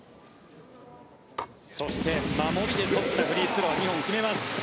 そして守りで取ったフリースロー２本決めます。